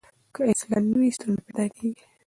که اصلاح نه وي ستونزه پیدا کېږي.